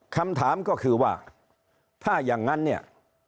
คำถามก็คือว่าถ้าอย่างนั้นเนี่ย